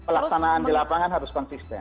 pelaksanaan di lapangan harus konsisten